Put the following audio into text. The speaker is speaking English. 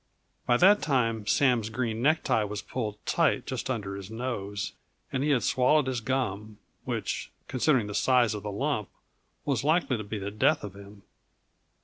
By that time Sam's green necktie was pulled tight just under his nose, and he had swallowed his gum which, considering the size of the lump, was likely to be the death of him.